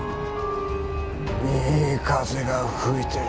いい風が吹いてる。